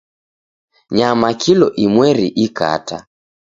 Nyama kilo imweri ikata